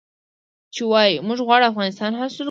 چې ووايي موږ غواړو افغانستان حاصل کړو.